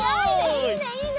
いいねいいね！